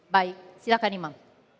baik silakan imam